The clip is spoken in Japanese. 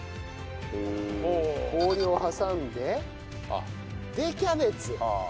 氷を挟んででキャベツ。